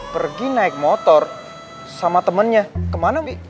pergi naik motor sama temennya kemana bi